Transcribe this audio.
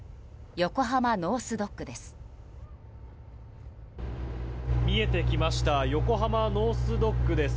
横浜ノース・ドックです。